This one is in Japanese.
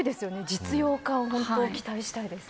実用化を本当、期待したいです。